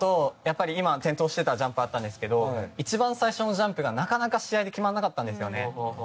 今、転倒していたジャンプがあったんですけど一番最初のジャンプがなかなか試合で決まらなかったんですよね。